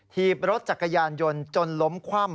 ทีบรถจักรยานยนต์จนล้มคว่ำ